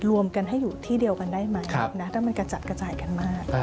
รวมกันให้อยู่ที่เดียวกันได้ไหมถ้ามันกระจัดกระจายกันมาก